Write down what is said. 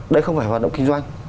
đây không phải hoạt động kinh doanh